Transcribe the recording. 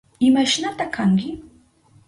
¿Imashnata kanki?